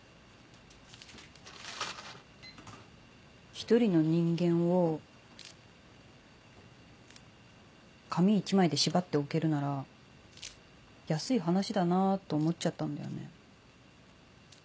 １人の人間を紙１枚で縛っておけるなら安い話だなと思っちゃったんだよね。